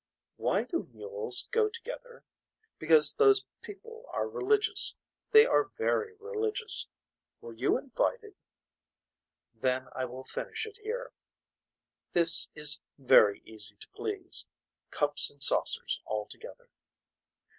Why do mules go together. Because those people are religious. They are very religious. Were you invited. Then I will finish it here. This is very easy to please. Cups and saucers altogether.